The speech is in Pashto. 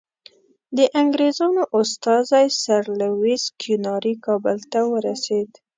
د انګریزانو استازی سر لویس کیوناري کابل ته ورسېد.